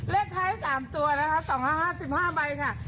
เลขท้าย๓ตัวแล้วนะครับ๒๕๕๑๕ใบค่ะ